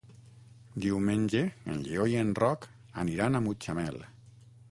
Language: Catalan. Diumenge en Lleó i en Roc aniran a Mutxamel.